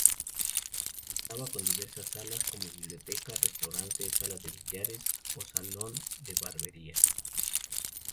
Contaba con diversas salas, como biblioteca, restaurante, sala de billares o salón de barbería.